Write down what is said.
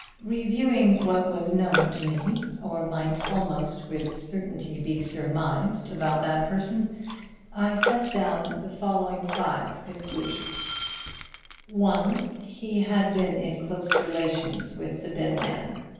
_ Reviewing what was known to me, or might almost with certainty be surmised, about that person, I set down the following five conclusions: (1) He had been in close relations with the dead man.